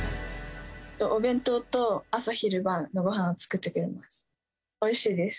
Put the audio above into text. お弁当と、朝昼晩のごはんを作ってくれます。